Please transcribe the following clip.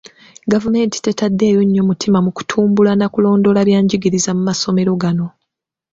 Gavumenti tetaddeeyo nnyo mutima mu kutumbula na kulondoola bya njigiriza mu masomero gano.